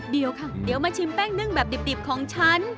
เดี๋ยวมาชิมแป้งนึ่งแบบดิบของฉัน